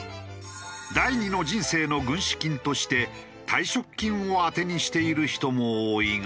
第２の人生の軍資金として退職金を当てにしている人も多いが。